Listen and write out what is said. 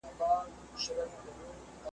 د همدغو مصنوعي روایتونو